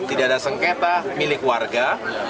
tidak ada sengketa milik warga